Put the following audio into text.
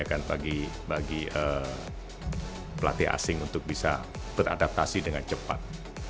ya kan bagi pelatih asing untuk bisa beradaptasi dengan cepat